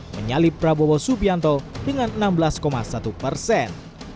menyalip prabowo subianto dengan enam belas satu persen